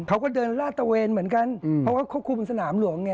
เขาก็เดินราตเตอร์เวนเหมือนกันเพราะเขาก็ควบคุมสนามหลวง